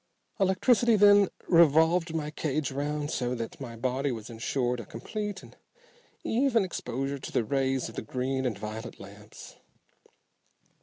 Electricity then revolved my cage around so that my body was insured a complete and even exposure to the rays of the green and violet lamps.